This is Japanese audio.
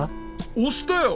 おしたよ！